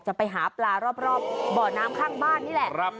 จะไปหาปลารอบบ่อน้ำข้างบ้านนี่แหละ